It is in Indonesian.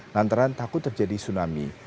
lantaran takut terjadi tsunami